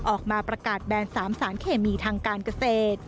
ออกมาประกาศแบน๓สารเคมีทางการเกษตร